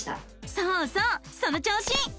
そうそうその調子！